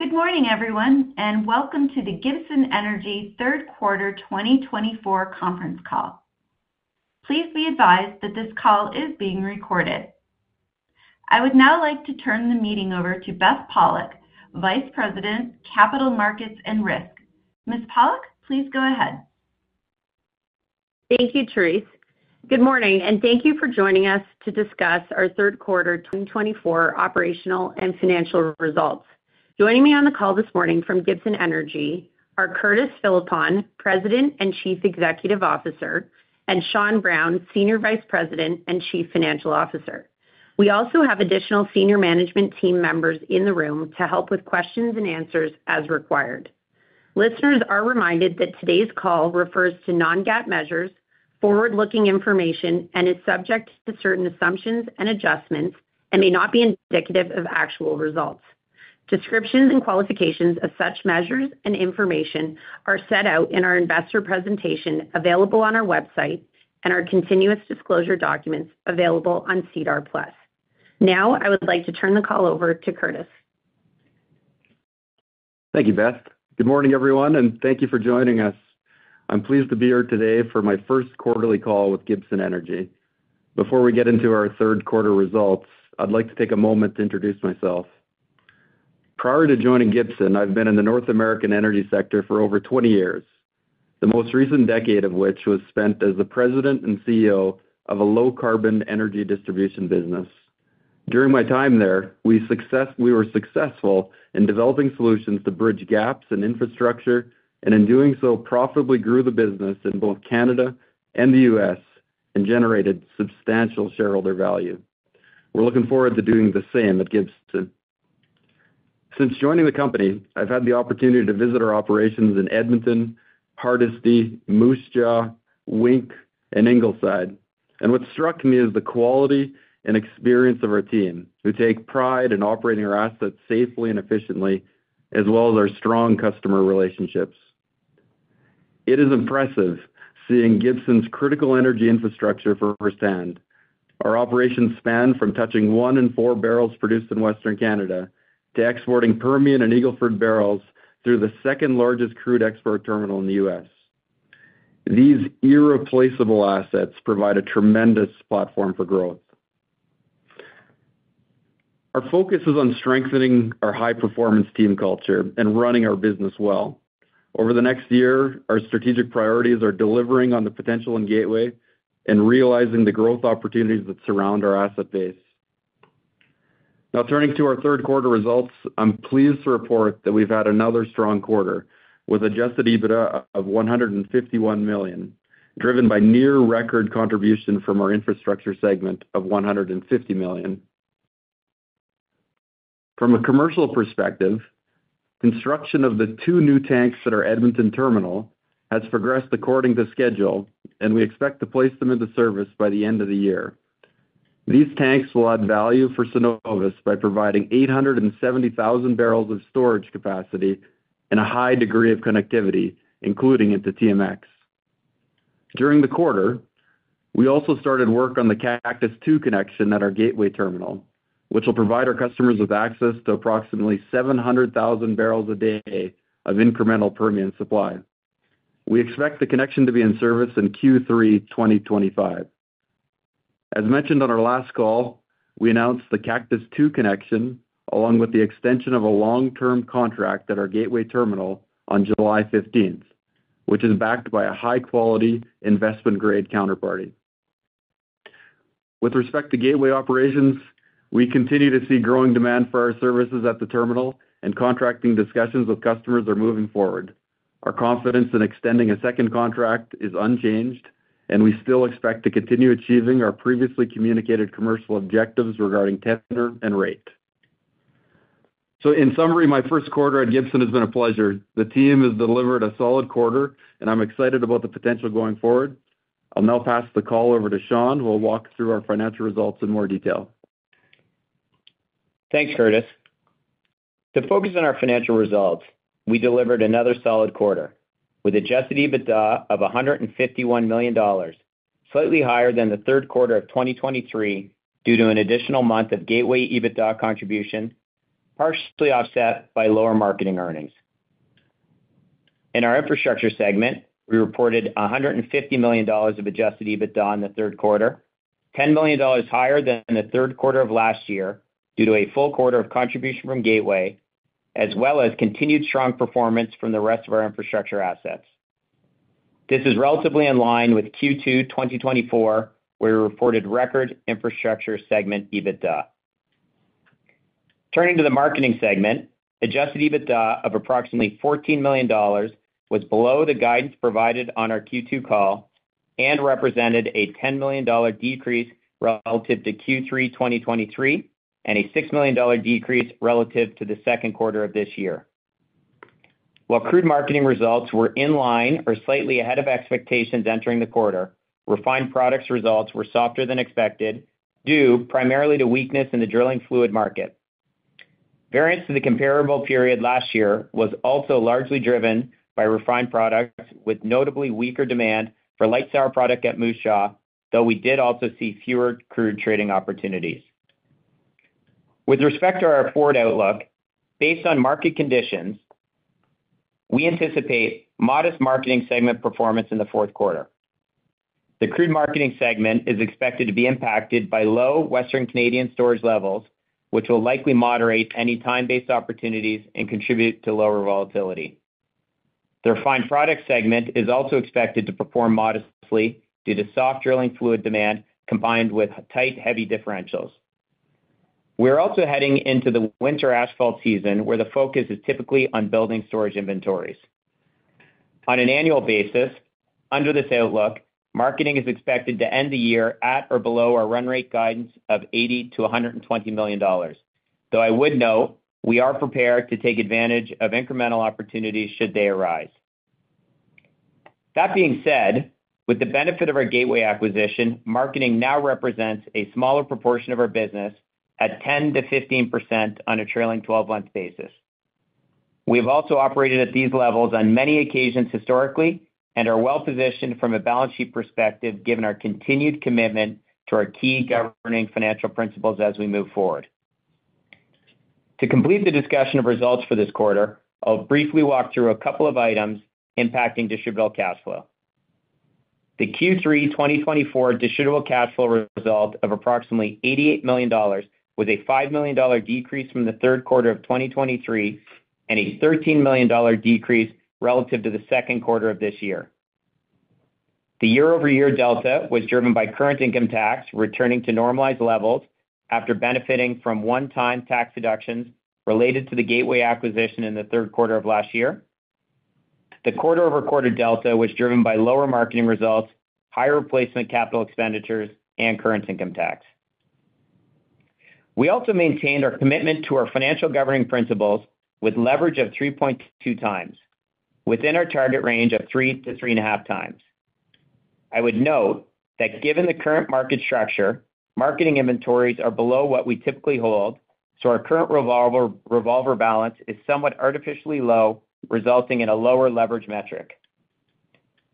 Good morning, everyone, and welcome to the Gibson Energy Third Quarter 2024 conference call. Please be advised that this call is being recorded. I would now like to turn the meeting over to Beth Pollock, Vice President, Capital Markets and Risk. Ms. Pollock, please go ahead. Thank you, Therese. Good morning, and thank you for joining us to discuss our third quarter 2024 operational and financial results. Joining me on the call this morning from Gibson Energy are Curtis Philippon, President and Chief Executive Officer, and Sean Brown, Senior Vice President and Chief Financial Officer. We also have additional senior management team members in the room to help with questions and answers as required. Listeners are reminded that today's call refers to non-GAAP measures, forward-looking information, and is subject to certain assumptions and adjustments, and may not be indicative of actual results. Descriptions and qualifications of such measures and information are set out in our investor presentation available on our website and our continuous disclosure documents available on SEDAR+. Now, I would like to turn the call over to Curtis. Thank you, Beth. Good morning, everyone, and thank you for joining us. I'm pleased to be here today for my first quarterly call with Gibson Energy. Before we get into our third quarter results, I'd like to take a moment to introduce myself. Prior to joining Gibson, I've been in the North American energy sector for over 20 years, the most recent decade of which was spent as the President and CEO of a low-carbon energy distribution business. During my time there, we were successful in developing solutions to bridge gaps in infrastructure and, in doing so, profitably grew the business in both Canada and the U.S. and generated substantial shareholder value. We're looking forward to doing the same at Gibson. Since joining the company, I've had the opportunity to visit our operations in Edmonton, Hardisty, Moose Jaw, Wink, and Ingleside. What struck me is the quality and experience of our team, who take pride in operating our assets safely and efficiently, as well as our strong customer relationships. It is impressive seeing Gibson's critical energy infrastructure firsthand. Our operations span from touching one in four barrels produced in Western Canada to exporting Permian and Eagle Ford barrels through the second-largest crude export terminal in the U.S. These irreplaceable assets provide a tremendous platform for growth. Our focus is on strengthening our high-performance team culture and running our business well. Over the next year, our strategic priorities are delivering on the potential at Gateway and realizing the growth opportunities that surround our asset base. Now, turning to our third quarter results, I'm pleased to report that we've had another strong quarter with an adjusted EBITDA of 151 million, driven by near-record contribution from our infrastructure segment of 150 million. From a commercial perspective, construction of the two new tanks at our Edmonton terminal has progressed according to schedule, and we expect to place them into service by the end of the year. These tanks will add value for Cenovus by providing 870,000 barrels of storage capacity and a high degree of connectivity, including into TMX. During the quarter, we also started work on the Cactus II connection at our Gateway Terminal, which will provide our customers with access to approximately 700,000 barrels a day of incremental Permian supply. We expect the connection to be in service in Q3 2025. As mentioned on our last call, we announced the Cactus II connection, along with the extension of a long-term contract at our Gateway Terminal on July 15th, which is backed by a high-quality, investment-grade counterparty. With respect to Gateway operations, we continue to see growing demand for our services at the terminal, and contracting discussions with customers are moving forward. Our confidence in extending a second contract is unchanged, and we still expect to continue achieving our previously communicated commercial objectives regarding tenure and rate. So, in summary, my first quarter at Gibson has been a pleasure. The team has delivered a solid quarter, and I'm excited about the potential going forward. I'll now pass the call over to Sean, who will walk through our financial results in more detail. Thanks, Curtis. To focus on our financial results, we delivered another solid quarter with Adjusted EBITDA of 151 million dollars, slightly higher than the third quarter of 2023 due to an additional month of Gateway EBITDA contribution, partially offset by lower marketing earnings. In our infrastructure segment, we reported 150 million dollars of Adjusted EBITDA in the third quarter, 10 million dollars higher than the third quarter of last year due to a full quarter of contribution from Gateway, as well as continued strong performance from the rest of our infrastructure assets. This is relatively in line with Q2 2024, where we reported record infrastructure segment EBITDA. Turning to the marketing segment, Adjusted EBITDA of approximately 14 million dollars was below the guidance provided on our Q2 call and represented a 10 million dollar decrease relative to Q3 2023 and a 6 million dollar decrease relative to the second quarter of this year. While crude marketing results were in line or slightly ahead of expectations entering the quarter, refined products' results were softer than expected due primarily to weakness in the drilling fluid market. Variance to the comparable period last year was also largely driven by refined products, with notably weaker demand for light sour product at Moose Jaw, though we did also see fewer crude trading opportunities. With respect to our forward outlook, based on market conditions, we anticipate modest marketing segment performance in the fourth quarter. The crude marketing segment is expected to be impacted by low Western Canadian storage levels, which will likely moderate any time-based opportunities and contribute to lower volatility. The refined product segment is also expected to perform modestly due to soft drilling fluid demand combined with tight, heavy differentials. We're also heading into the winter asphalt season, where the focus is typically on building storage inventories. On an annual basis, under this outlook, marketing is expected to end the year at or below our run rate guidance of $80-$120 million, though I would note we are prepared to take advantage of incremental opportunities should they arise. That being said, with the benefit of our Gateway acquisition, marketing now represents a smaller proportion of our business at 10%-15% on a trailing 12-month basis. We have also operated at these levels on many occasions historically and are well-positioned from a balance sheet perspective, given our continued commitment to our key governing financial principles as we move forward. To complete the discussion of results for this quarter, I'll briefly walk through a couple of items impacting distributable cash flow. The Q3 2024 distributable cash flow result of approximately 88 million dollars was a 5 million dollar decrease from the third quarter of 2023 and a 13 million dollar decrease relative to the second quarter of this year. The year-over-year delta was driven by current income tax returning to normalized levels after benefiting from one-time tax deductions related to the Gateway acquisition in the third quarter of last year. The quarter-over-quarter delta was driven by lower marketing results, higher replacement capital expenditures, and current income tax. We also maintained our commitment to our financial governing principles with leverage of 3.2 times, within our target range of 3-3.5 times. I would note that given the current market structure, marketing inventories are below what we typically hold, so our current revolver balance is somewhat artificially low, resulting in a lower leverage metric.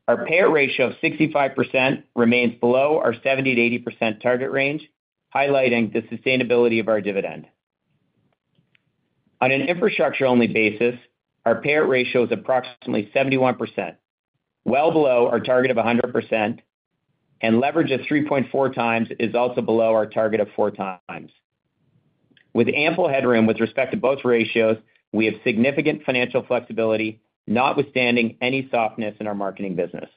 Our payout ratio of 65% remains below our 70%-80% target range, highlighting the sustainability of our dividend. On an infrastructure-only basis, our payout ratio is approximately 71%, well below our target of 100%, and leverage of 3.4 times is also below our target of 4 times. With ample headroom with respect to both ratios, we have significant financial flexibility, notwithstanding any softness in our marketing business.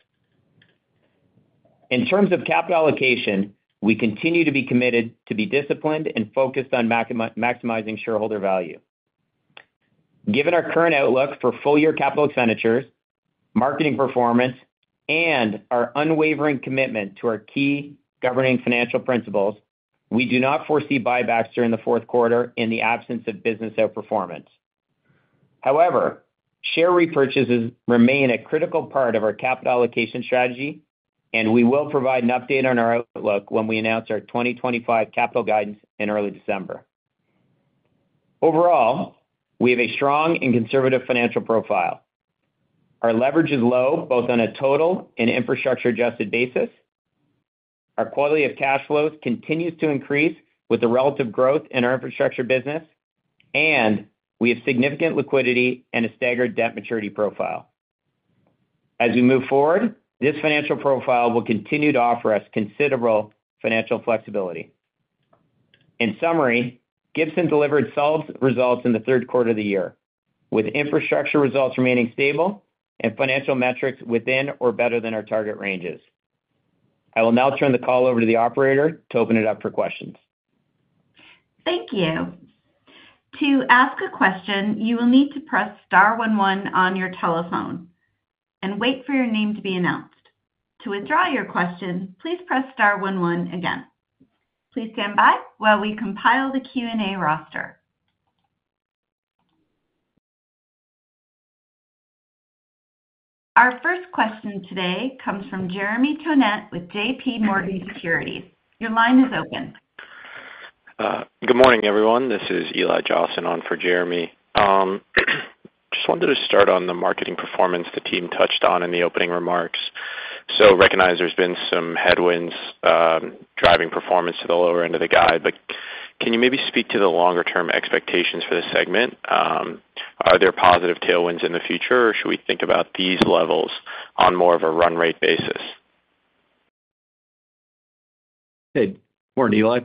In terms of capital allocation, we continue to be committed to be disciplined and focused on maximizing shareholder value. Given our current outlook for full-year capital expenditures, marketing performance, and our unwavering commitment to our key governing financial principles, we do not foresee buybacks during the fourth quarter in the absence of business outperformance. However, share repurchases remain a critical part of our capital allocation strategy, and we will provide an update on our outlook when we announce our 2025 capital guidance in early December. Overall, we have a strong and conservative financial profile. Our leverage is low, both on a total and infrastructure-adjusted basis. Our quality of cash flows continues to increase with the relative growth in our infrastructure business, and we have significant liquidity and a staggered debt maturity profile. As we move forward, this financial profile will continue to offer us considerable financial flexibility. In summary, Gibson delivered solid results in the third quarter of the year, with infrastructure results remaining stable and financial metrics within or better than our target ranges. I will now turn the call over to the operator to open it up for questions. Thank you. To ask a question, you will need to press Star 11 on your telephone and wait for your name to be announced. To withdraw your question, please press Star 11 again. Please stand by while we compile the Q&A roster. Our first question today comes from Jeremy Tonet with J.P. Morgan Securities. Your line is open. Good morning, everyone. This is Eli Jossen on for Jeremy. Just wanted to start on the marketing performance the team touched on in the opening remarks so recognize there's been some headwinds driving performance to the lower end of the guide, but can you maybe speak to the longer-term expectations for this segment? Are there positive tailwinds in the future, or should we think about these levels on more of a run rate basis? Good morning, Eli.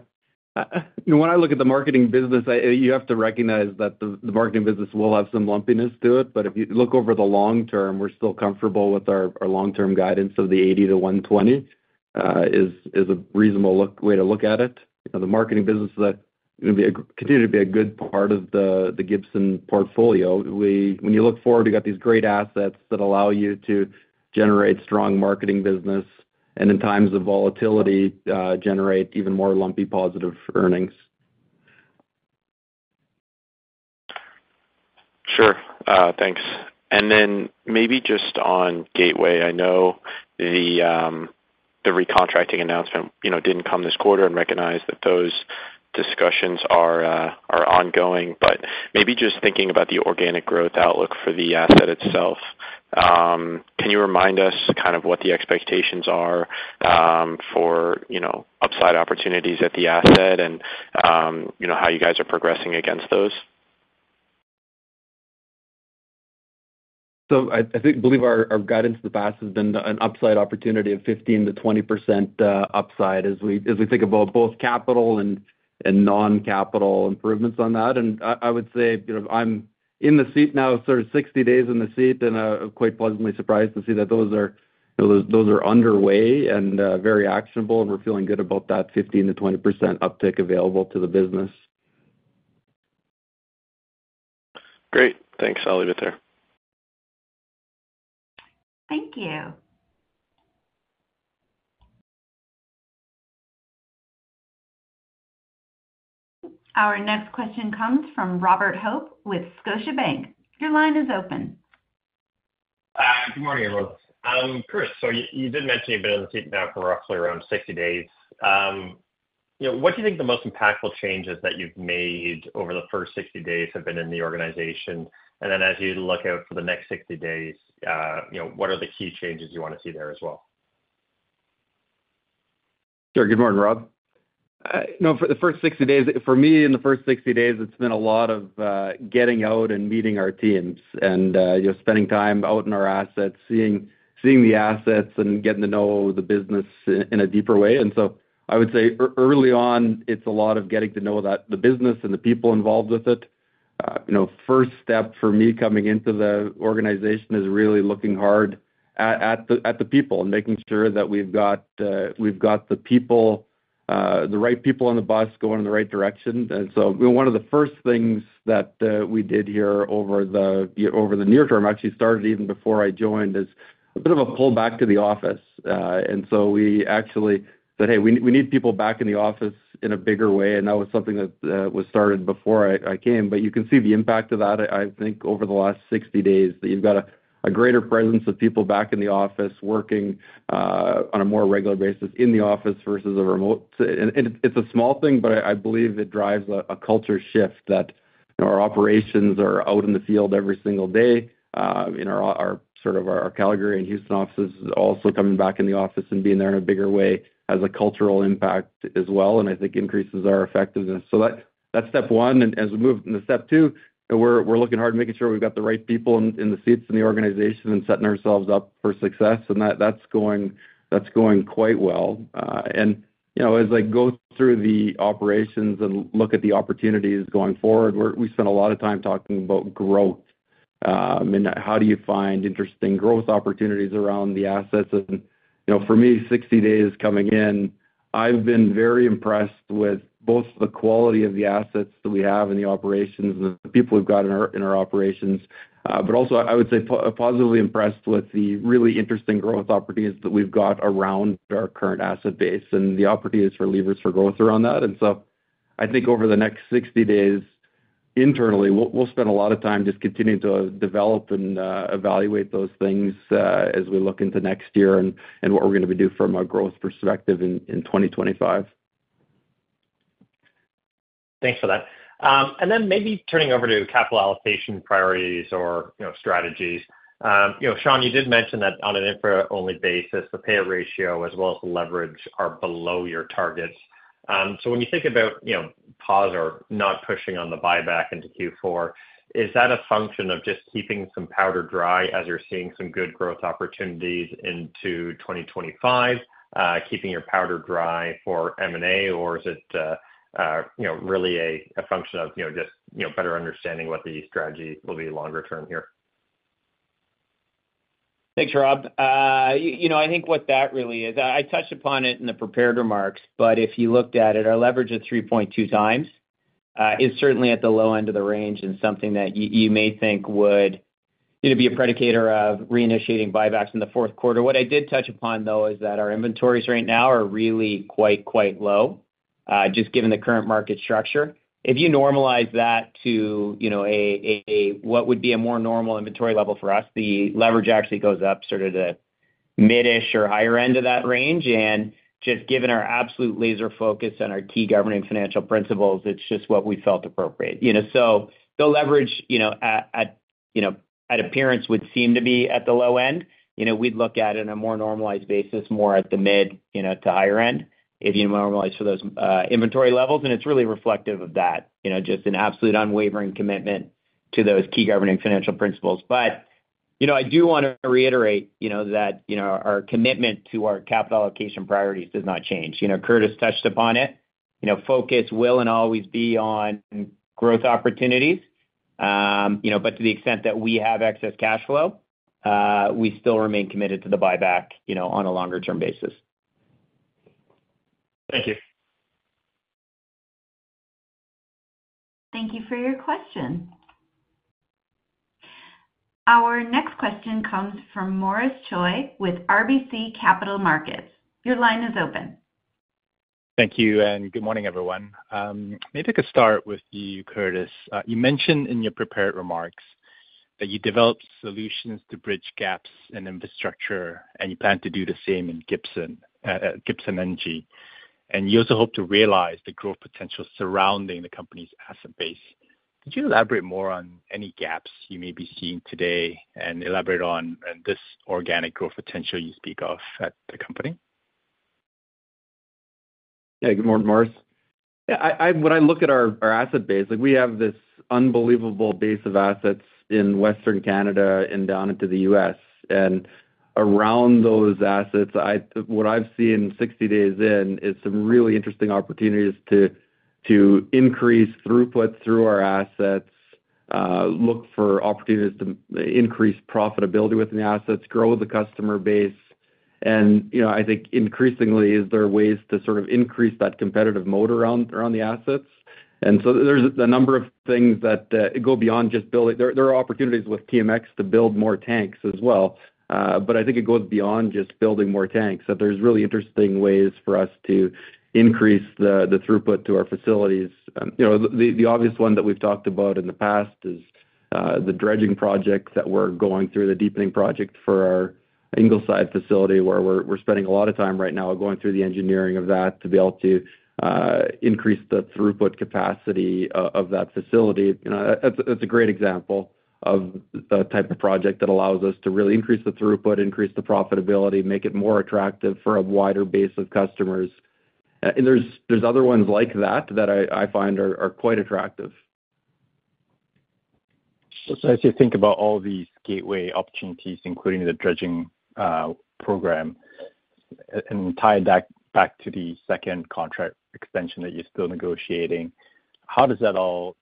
When I look at the marketing business, you have to recognize that the marketing business will have some lumpiness to it, but if you look over the long term, we're still comfortable with our long-term guidance of the 80-120 is a reasonable way to look at it. The marketing business is going to continue to be a good part of the Gibson portfolio. When you look forward, you've got these great assets that allow you to generate strong marketing business and, in times of volatility, generate even more lumpy positive earnings. Sure. Thanks. And then maybe just on Gateway, I know the recontracting announcement didn't come this quarter, and recognize that those discussions are ongoing. But maybe just thinking about the organic growth outlook for the asset itself, can you remind us kind of what the expectations are for upside opportunities at the asset and how you guys are progressing against those? So I believe our guidance in the past has been an upside opportunity of 15%-20% upside as we think about both capital and non-capital improvements on that, and I would say I'm in the seat now, sort of 60 days in the seat, and I'm quite pleasantly surprised to see that those are underway and very actionable, and we're feeling good about that 15%-20% uptick available to the business. Great. Thanks. I'll leave it there. Thank you. Our next question comes from Robert Hope with Scotiabank. Your line is open. Hi. Good morning, everyone. I'm Curtis. So you did mention you've been in the seat now for roughly around 60 days. What do you think the most impactful changes that you've made over the first 60 days have been in the organization? And then as you look out for the next 60 days, what are the key changes you want to see there as well? Sure. Good morning, Rob. No, for the first 60 days, for me in the first 60 days, it's been a lot of getting out and meeting our teams and spending time out in our assets, seeing the assets and getting to know the business in a deeper way. And so I would say early on, it's a lot of getting to know the business and the people involved with it. First step for me coming into the organization is really looking hard at the people and making sure that we've got the right people on the bus going in the right direction. And so one of the first things that we did here over the near term, actually started even before I joined, is a bit of a pullback to the office. And so we actually said, "Hey, we need people back in the office in a bigger way," and that was something that was started before I came. But you can see the impact of that, I think, over the last 60 days, that you've got a greater presence of people back in the office working on a more regular basis in the office versus a remote. And it's a small thing, but I believe it drives a culture shift that our operations are out in the field every single day. Sort of our Calgary and Houston offices also coming back in the office and being there in a bigger way has a cultural impact as well, and I think increases our effectiveness. So that's step one. As we move into step two, we're looking hard and making sure we've got the right people in the seats in the organization and setting ourselves up for success. That's going quite well. As I go through the operations and look at the opportunities going forward, we spend a lot of time talking about growth and how do you find interesting growth opportunities around the assets. For me, 60 days coming in, I've been very impressed with both the quality of the assets that we have in the operations and the people we've got in our operations, but also I would say positively impressed with the really interesting growth opportunities that we've got around our current asset base and the opportunities for levers for growth around that. And so I think over the next 60 days internally, we'll spend a lot of time just continuing to develop and evaluate those things as we look into next year and what we're going to do from a growth perspective in 2025. Thanks for that. And then maybe turning over to capital allocation priorities or strategies. Sean, you did mention that on an infra-only basis, the payout ratio as well as the leverage are below your targets. So when you think about pause or not pushing on the buyback into Q4, is that a function of just keeping some powder dry as you're seeing some good growth opportunities into 2025, keeping your powder dry for M&A, or is it really a function of just better understanding what the strategy will be longer term here? Thanks, Rob. I think what that really is, I touched upon it in the prepared remarks, but if you looked at it, our leverage of 3.2 times is certainly at the low end of the range and something that you may think would be a predictor of reinitiating buybacks in the fourth quarter. What I did touch upon, though, is that our inventories right now are really quite, quite low, just given the current market structure. If you normalize that to what would be a more normal inventory level for us, the leverage actually goes up sort of to mid-ish or higher end of that range. And just given our absolute laser focus on our key governing financial principles, it's just what we felt appropriate. So the leverage at appearance would seem to be at the low end. We'd look at it on a more normalized basis, more at the mid to higher end, if you normalize for those inventory levels. And it's really reflective of that, just an absolute unwavering commitment to those key governing financial principles. But I do want to reiterate that our commitment to our capital allocation priorities does not change. Curtis touched upon it. Focus will and always be on growth opportunities, but to the extent that we have excess cash flow, we still remain committed to the buyback on a longer-term basis. Thank you. Thank you for your question. Our next question comes from Maurice Choy with RBC Capital Markets. Your line is open. Thank you and good morning, everyone. Maybe I could start with you, Curtis. You mentioned in your prepared remarks that you developed solutions to bridge gaps in infrastructure, and you plan to do the same in Gibson Energy and you also hope to rea Realize the growth potential surrounding the company's asset base. Could you elaborate more on any gaps you may be seeing today and elaborate on this organic growth potential you speak of at the company? Yeah. Good morning, Maurice. Yeah. When I look at our asset base, we have this unbelievable base of assets in Western Canada and down into the U.S. And around those assets, what I've seen 60 days in is some really interesting opportunities to increase throughput through our assets, look for opportunities to increase profitability within the assets, grow with the customer base. And I think increasingly, are there ways to sort of increase that competitive moat around the assets? And so there's a number of things that go beyond just building. There are opportunities with TMX to build more tanks as well. But I think it goes beyond just building more tanks, that there's really interesting ways for us to increase the throughput to our facilities. The obvious one that we've talked about in the past is the dredging project that we're going through, the deepening project for our Ingleside facility, where we're spending a lot of time right now going through the engineering of that to be able to increase the throughput capacity of that facility. That's a great example of the type of project that allows us to really increase the throughput, increase the profitability, make it more attractive for a wider base of customers, and there's other ones like that that I find are quite attractive. So as you think about all these gateway opportunities, including the dredging program and tie that back to the second contract extension that you're still negotiating, how does that all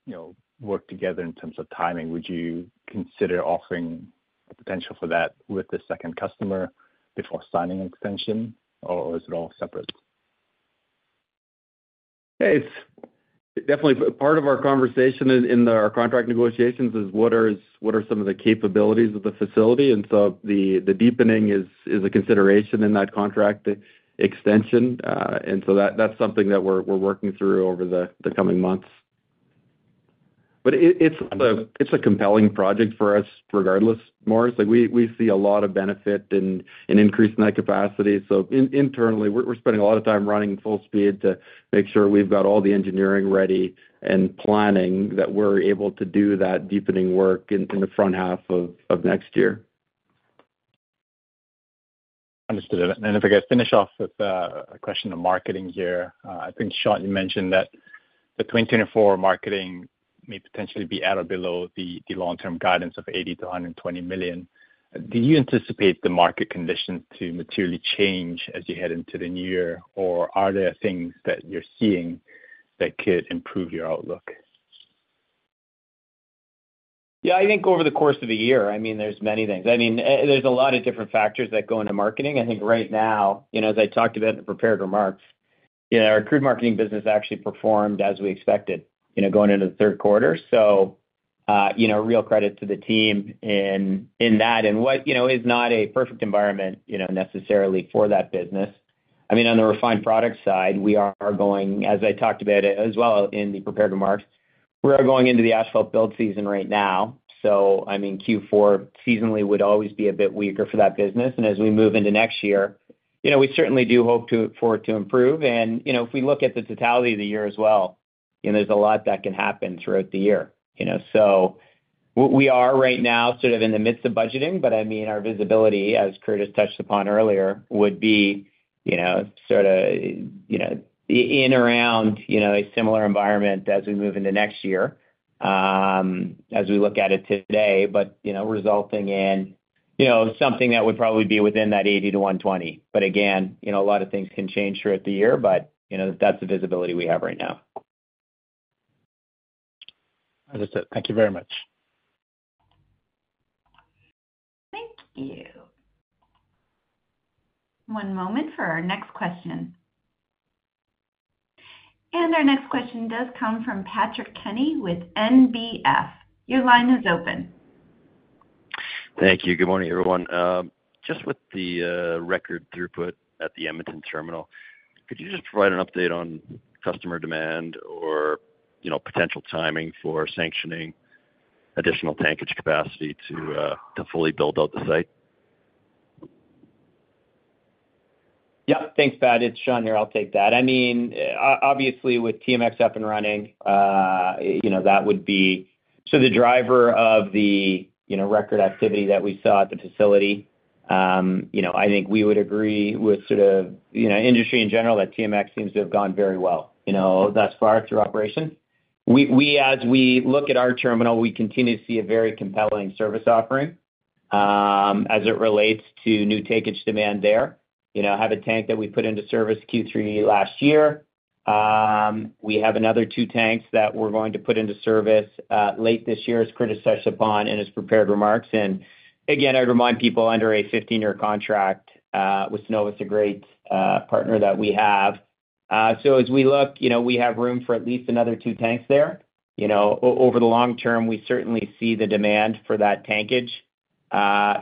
work together in terms of timing? Would you consider offering the potential for that with the second customer before signing an extension, or is it all separate? It's definitely part of our conversation in our contract negotiations: what are some of the capabilities of the facility. The deepening is a consideration in that contract extension. That's something that we're working through over the coming months. It's a compelling project for us regardless, Morris. We see a lot of benefit in increasing that capacity. Internally, we're spending a lot of time running full speed to make sure we've got all the engineering ready and planning that we're able to do that deepening work in the front half of next year. Understood. And if I could finish off with a question on marketing here. I think, Sean, you mentioned that the 2024 marketing may potentially be at or below the long-term guidance of 80 million-120 million. Do you anticipate the market conditions to materially change as you head into the new year, or are there things that you're seeing that could improve your outlook? Yeah. I think over the course of the year, I mean, there's many things. I mean, there's a lot of different factors that go into marketing. I think right now, as I talked about in the prepared remarks, our crude marketing business actually performed as we expected going into the third quarter. So real credit to the team in that, and what is not a perfect environment necessarily for that business. I mean, on the refined product side, we are going, as I talked about as well in the prepared remarks, we are going into the asphalt build season right now. So I mean, Q4 seasonally would always be a bit weaker for that business. And as we move into next year, we certainly do hope for it to improve. And if we look at the totality of the year as well, there's a lot that can happen throughout the year. So we are right now sort of in the midst of budgeting, but I mean, our visibility, as Curtis touched upon earlier, would be sort of in around a similar environment as we move into next year as we look at it today, but resulting in something that would probably be within that 80-120. But again, a lot of things can change throughout the year, but that's the visibility we have right now. Understood. Thank you very much. Thank you. One moment for our next question. And our next question does come from Patrick Kenny with NBF. Your line is open. Thank you. Good morning, everyone. Just with the record throughput at the Edmonton terminal, could you just provide an update on customer demand or potential timing for sanctioning additional tankage capacity to fully build out the site? Yeah. Thanks, Pat. It's Sean here. I'll take that. I mean, obviously, with TMX up and running, that would be so the driver of the record activity that we saw at the facility. I think we would agree with sort of industry in general that TMX seems to have gone very well thus far through operations. As we look at our terminal, we continue to see a very compelling service offering as it relates to new tankage demand there. Have a tank that we put into service Q3 last year. We have another two tanks that we're going to put into service late this year, as Curtis touched upon in his prepared remarks. And again, I'd remind people under a 15-year contract with Cenovus, it's a great partner that we have. So as we look, we have room for at least another two tanks there. Over the long term, we certainly see the demand for that tankage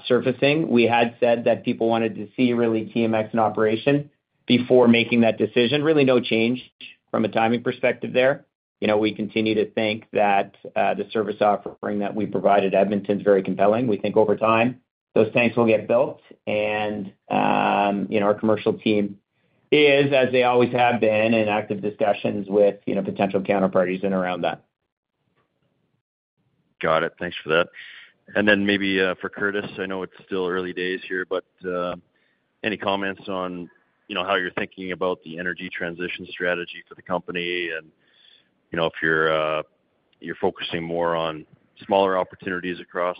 surfacing. We had said that people wanted to see really TMX in operation before making that decision. Really no change from a timing perspective there. We continue to think that the service offering that we provided Edmonton is very compelling. We think over time, those tanks will get built. And our commercial team is, as they always have been, in active discussions with potential counterparties in and around that. Got it. Thanks for that. And then maybe for Curtis, I know it's still early days here, but any comments on how you're thinking about the energy transition strategy for the company and if you're focusing more on smaller opportunities across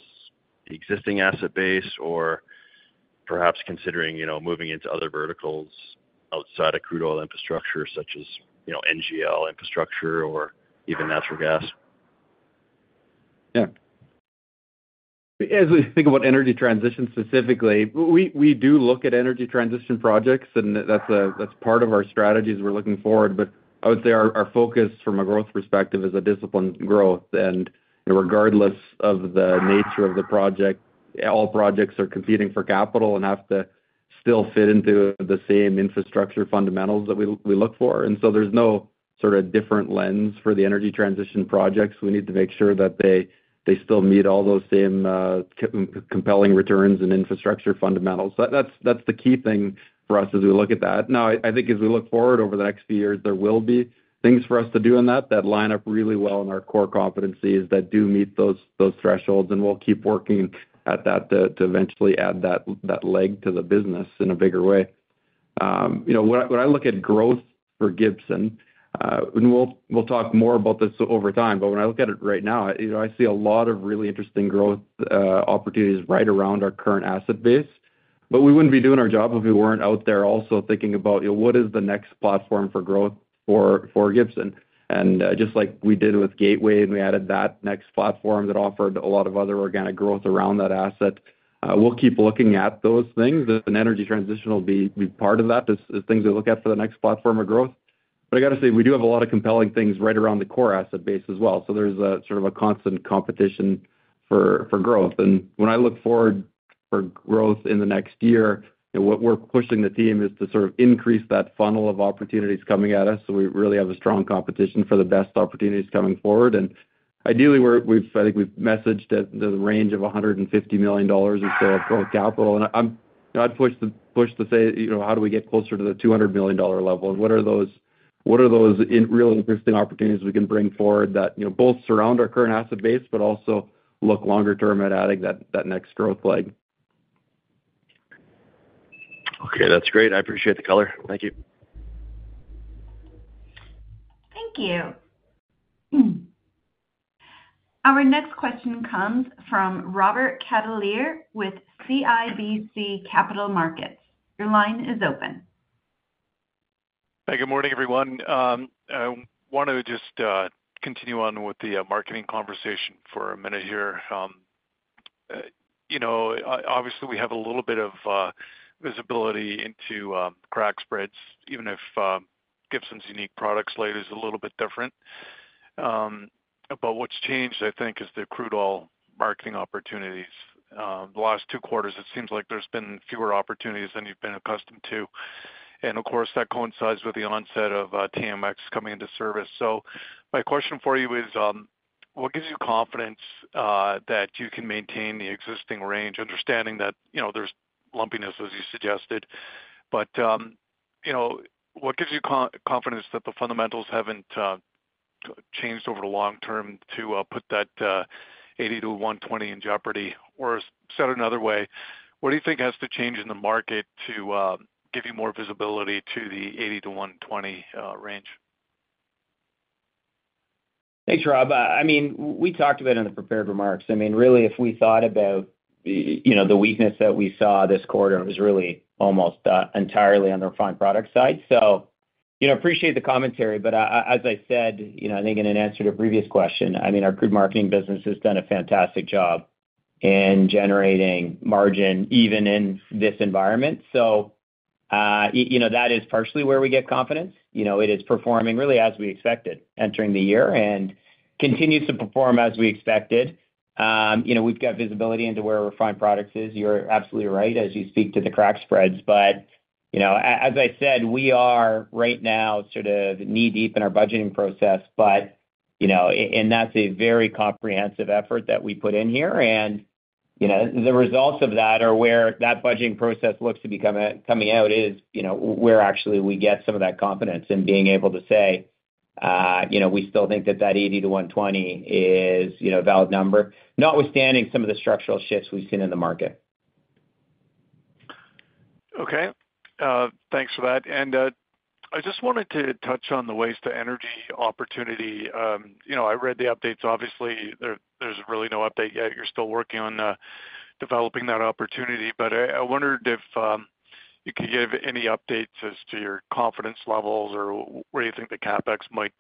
the existing asset base or perhaps considering moving into other verticals outside of crude oil infrastructure such as NGL infrastructure or even natural gas? Yeah. As we think about energy transition specifically, we do look at energy transition projects, and that's part of our strategies we're looking forward. But I would say our focus from a growth perspective is a disciplined growth. And regardless of the nature of the project, all projects are competing for capital and have to still fit into the same infrastructure fundamentals that we look for. And so there's no sort of different lens for the energy transition projects. We need to make sure that they still meet all those same compelling returns and infrastructure fundamentals. That's the key thing for us as we look at that. Now, I think as we look forward over the next few years, there will be things for us to do in that that line up really well in our core competencies that do meet those thresholds. And we'll keep working at that to eventually add that leg to the business in a bigger way. When I look at growth for Gibson, and we'll talk more about this over time, but when I look at it right now, I see a lot of really interesting growth opportunities right around our current asset base. But we wouldn't be doing our job if we weren't out there also thinking about what is the next platform for growth for Gibson. And just like we did with Gateway, and we added that next platform that offered a lot of other organic growth around that asset. We'll keep looking at those things. An energy transition will be part of that as things we look at for the next platform of growth. But I got to say, we do have a lot of compelling things right around the core asset base as well. There's sort of a constant competition for growth. And when I look forward for growth in the next year, what we're pushing the team is to sort of increase that funnel of opportunities coming at us. We really have a strong competition for the best opportunities coming forward. And ideally, I think we've messaged the range of 150 million dollars or so of growth capital. And I'd push to say, how do we get closer to the 200 million dollar level? And what are those real interesting opportunities we can bring forward that both surround our current asset base, but also look longer term at adding that next growth leg? Okay. That's great. I appreciate the color. Thank you. Thank you. Our next question comes from Robert Catellier with CIBC Capital Markets. Your line is open. Hey, good morning, everyone. I want to just continue on with the marketing conversation for a minute here. Obviously, we have a little bit of visibility into crack spreads, even if Gibson's unique product slate is a little bit different, but what's changed, I think, is the crude oil marketing opportunities. The last two quarters, it seems like there's been fewer opportunities than you've been accustomed to, and of course, that coincides with the onset of TMX coming into service, so my question for you is, what gives you confidence that you can maintain the existing range, understanding that there's lumpiness, as you suggested, but what gives you confidence that the fundamentals haven't changed over the long term to put that 80-120 in jeopardy? Or said another way, what do you think has to change in the market to give you more visibility to the 80-120 range? Thanks, Rob. I mean, we talked about it in the prepared remarks. I mean, really, if we thought about the weakness that we saw this quarter, it was really almost entirely on the refined product side, so I appreciate the commentary, but as I said, I think in an answer to a previous question, I mean, our crude marketing business has done a fantastic job in generating margin even in this environment, so that is partially where we get confidence. It is performing really as we expected entering the year and continues to perform as we expected. We've got visibility into where refined products is. You're absolutely right as you speak to the crack spreads, but as I said, we are right now sort of knee-deep in our budgeting process, and that's a very comprehensive effort that we put in here. The results of that are where that budgeting process looks to be coming out is where actually we get some of that confidence in being able to say, we still think that that 80 to 120 is a valid number, notwithstanding some of the structural shifts we've seen in the market. Okay. Thanks for that. And I just wanted to touch on the waste-to-energy opportunity. I read the updates. Obviously, there's really no update yet. You're still working on developing that opportunity. But I wondered if you could give any updates as to your confidence levels or where you think the CapEx might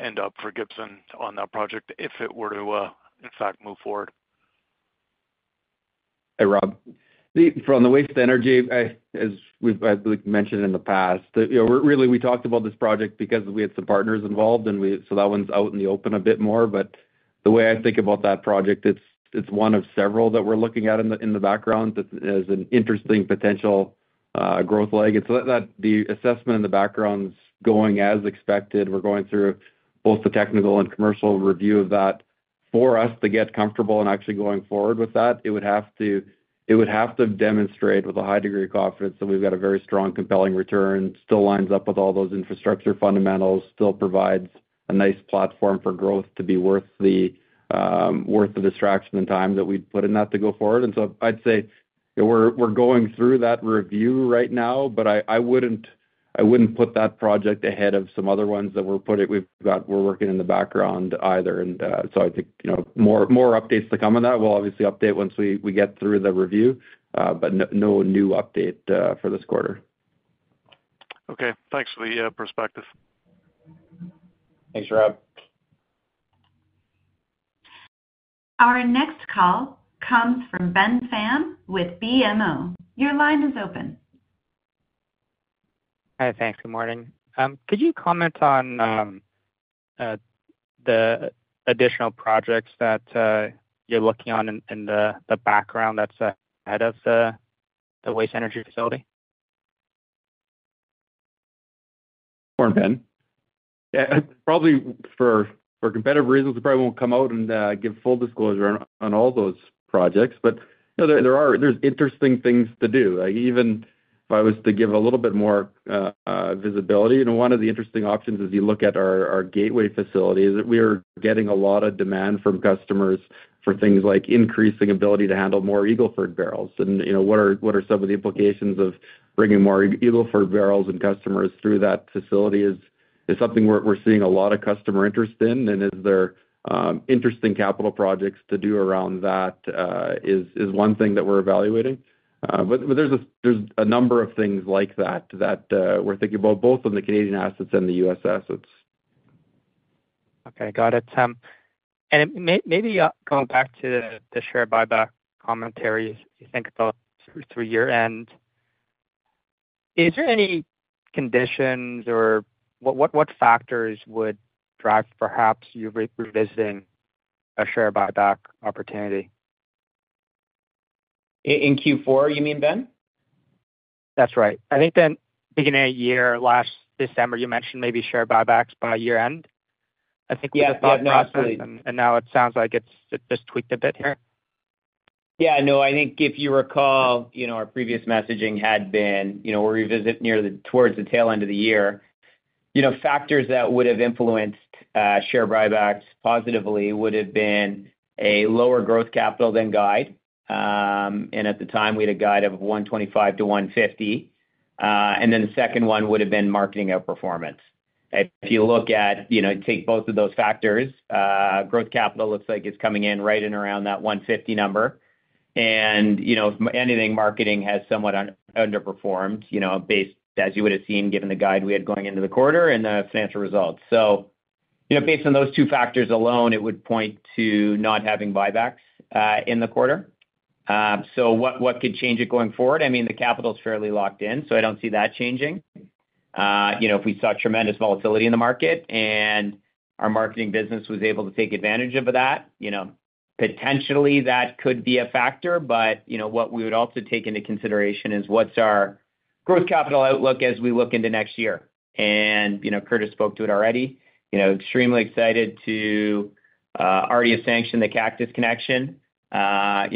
end up for Gibson on that project if it were to, in fact, move forward. Hey, Rob. From the waste-to-energy, as we've mentioned in the past, really, we talked about this project because we had some partners involved, and so that one's out in the open a bit more, but the way I think about that project, it's one of several that we're looking at in the background as an interesting potential growth leg. It's that the assessment in the background is going as expected. We're going through both the technical and commercial review of that. For us to get comfortable and actually going forward with that, it would have to demonstrate with a high degree of confidence that we've got a very strong, compelling return, still lines up with all those infrastructure fundamentals, still provides a nice platform for growth to be worth the distraction and time that we'd put in that to go forward. And so I'd say we're going through that review right now, but I wouldn't put that project ahead of some other ones that we're working in the background either. And so I think more updates to come on that. We'll obviously update once we get through the review, but no new update for this quarter. Okay. Thanks for the perspective. Thanks, Rob. Our next call comes from Ben Pham with BMO. Your line is open. Hi, thanks. Good morning. Could you comment on the additional projects that you're looking on in the background that's ahead of the waste-to-energy facility? For Ben. Yeah. Probably for competitive reasons, I probably won't come out and give full disclosure on all those projects. But there's interesting things to do. Even if I was to give a little bit more visibility, one of the interesting options as you look at our Gateway facility is that we are getting a lot of demand from customers for things like increasing ability to handle more Eagle Ford barrels. And what are some of the implications of bringing more Eagle Ford barrels and customers through that facility is something we're seeing a lot of customer interest in. And is there interesting capital projects to do around that is one thing that we're evaluating. But there's a number of things like that that we're thinking about, both on the Canadian assets and the US assets. Okay. Got it. Maybe going back to the share buyback commentaries, you think about through year-end, is there any conditions or what factors would drive perhaps you revisiting a share buyback opportunity? In Q4, you mean, Ben? That's right. I think then beginning of the year, last December, you mentioned maybe share buybacks by year-end. I think we had thought possibly. And now it sounds like it's just tweaked a bit here. Yeah. No, I think if you recall, our previous messaging had been we're revisiting towards the tail end of the year. Factors that would have influenced share buybacks positively would have been a lower growth capital than guide. And at the time, we had a guide of 125-150. And then the second one would have been marketing outperformance. If you look at take both of those factors, growth capital looks like it's coming in right in around that 150 number. And if anything, marketing has somewhat underperformed based, as you would have seen, given the guide we had going into the quarter and the financial results. So based on those two factors alone, it would point to not having buybacks in the quarter. So what could change it going forward? I mean, the capital is fairly locked in, so I don't see that changing. If we saw tremendous volatility in the market and our marketing business was able to take advantage of that, potentially that could be a factor. But what we would also take into consideration is what's our growth capital outlook as we look into next year, and Curtis spoke to it already. Extremely excited to already have sanctioned the Cactus II connection,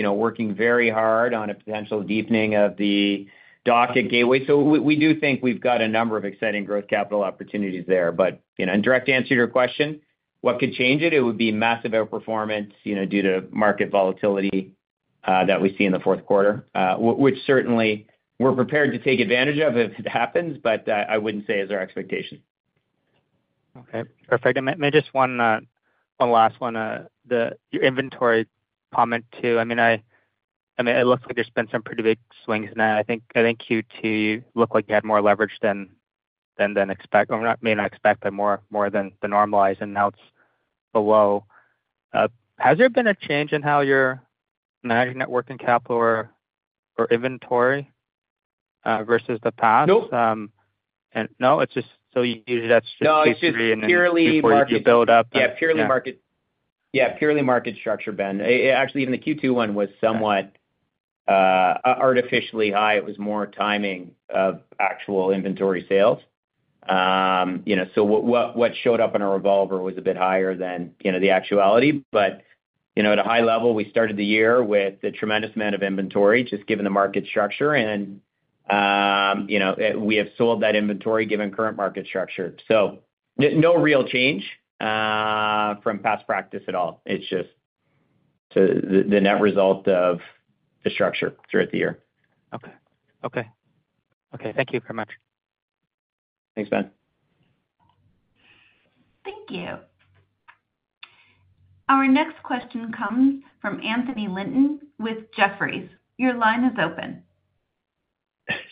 working very hard on a potential deepening of the dock at Gateway, so we do think we've got a number of exciting growth capital opportunities there, but in direct answer to your question, what could change it? It would be massive outperformance due to market volatility that we see in the fourth quarter, which certainly we're prepared to take advantage of if it happens, but I wouldn't say is our expectation. Okay. Perfect. And maybe just one last one, your inventory comment too. I mean, it looks like there's been some pretty big swings now. I think Q2, you look like you had more leverage than expected, or maybe not expected, more than the normalized and now it's below. Has there been a change in how you're managing working capital or inventory versus the past? No. No, it's just so. Usually that's just Q3 and then Q4 you build up. Yeah, purely market. Yeah, purely market structure, Ben. Actually, even the Q2 one was somewhat artificially high. It was more timing of actual inventory sales. So what showed up in our revolver was a bit higher than the actuality. But at a high level, we started the year with a tremendous amount of inventory just given the market structure. And we have sold that inventory given current market structure. So no real change from past practice at all. It's just the net result of the structure throughout the year. Okay. Thank you very much. Thanks, Ben. Thank you. Our next question comes from Anthony Linton with Jefferies. Your line is open.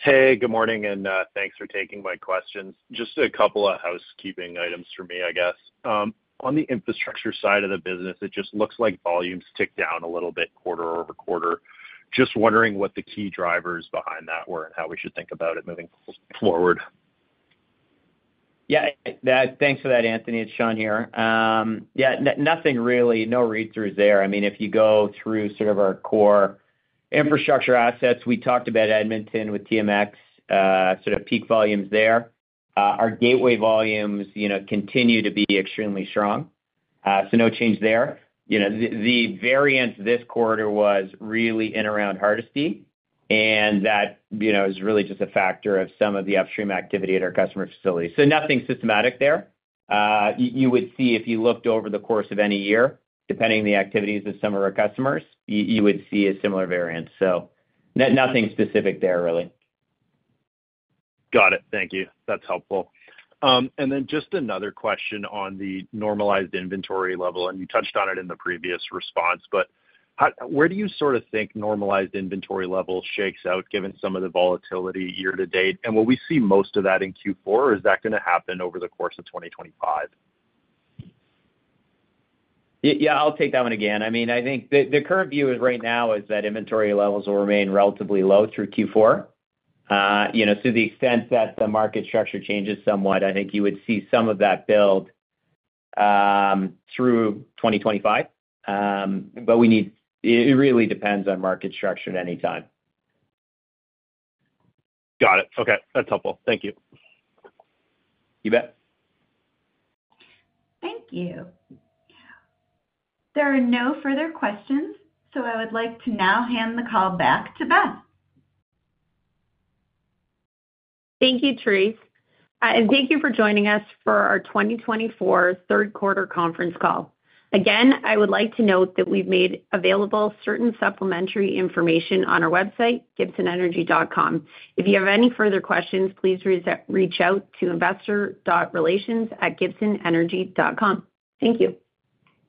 Hey, good morning, and thanks for taking my questions. Just a couple of housekeeping items for me, I guess. On the infrastructure side of the business, it just looks like volumes ticked down a little bit quarter over quarter. Just wondering what the key drivers behind that were and how we should think about it moving forward? Yeah. Thanks for that, Anthony. It's Sean here. Yeah, nothing really, no read-through there. I mean, if you go through sort of our core infrastructure assets, we talked about Edmonton with TMX, sort of peak volumes there. Our Gateway volumes continue to be extremely strong. So no change there. The variance this quarter was really in around Hardisty. And that is really just a factor of some of the upstream activity at our customer facility. So nothing systematic there. You would see if you looked over the course of any year, depending on the activities of some of our customers, you would see a similar variance. So nothing specific there, really. Got it. Thank you. That's helpful. And then just another question on the normalized inventory level. And you touched on it in the previous response. But where do you sort of think normalized inventory level shakes out given some of the volatility year to date? And will we see most of that in Q4, or is that going to happen over the course of 2025? Yeah, I'll take that one again. I mean, I think the current view right now is that inventory levels will remain relatively low through Q4. To the extent that the market structure changes somewhat, I think you would see some of that build through 2025. But it really depends on market structure at any time. Got it. Okay. That's helpful. Thank you. You bet. Thank you. There are no further questions, so I would like to now hand the call back to Beth. Thank you, Therese. And thank you for joining us for our 2024 Third Quarter Conference Call. Again, I would like to note that we've made available certain supplementary information on our website, gibsonenergy.com. If you have any further questions, please reach out to investor.relations@gibsonenergy.com. Thank you.